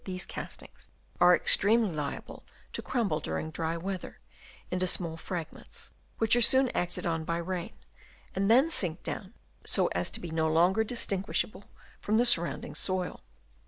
279 these eastings are extremely liable to crumble during dry weather into small fragments, which are soon acted on by rain, and then sink down so as to be no longer distinguish able from the surrounding soil.